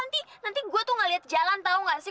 nanti nanti gue tuh gak liat jalan tau gak sih